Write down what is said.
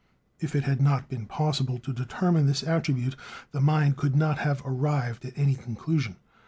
If it had not been possible to determine this attribute, the mind could not have arrived at any conclusion.